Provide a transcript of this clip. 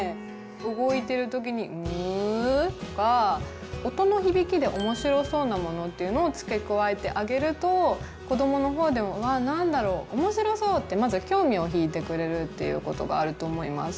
動いてる時にうっとか音の響きでおもしろそうなものっていうのを付け加えてあげると子どもの方でもうわぁ何だろうおもしろそうってまず興味を引いてくれるっていうことがあると思います。